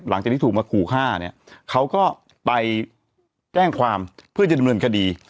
หลังจากที่ถูกมาขู่ฆ่าเนี่ยเขาก็ไปแจ้งความเพื่อจะดำเนินคดี